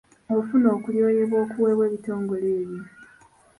Ofuna okulyoyebwa okuweebwa ebitongole ebyo.